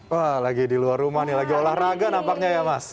wah lagi di luar rumah nih lagi olahraga nampaknya ya mas